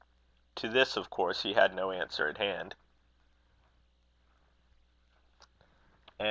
To this of course he had no answer at hand.